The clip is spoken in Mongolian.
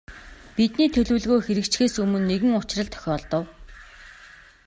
Бидний төлөвлөгөө хэрэгжихээс өмнө нэгэн учрал тохиолдов.